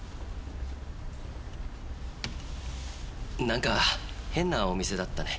何か変なお店だったね。